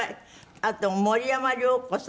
あと森山良子さん